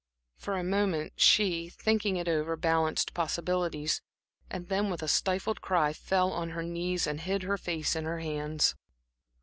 For a moment she, thinking it over, balanced possibilities; and then with a stifled cry, fell on her knees and hid her face in her hands.